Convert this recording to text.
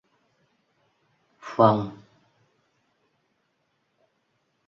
Phong